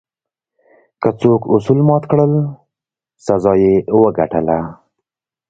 که څوک اصول مات کړل، سزا یې وګټله.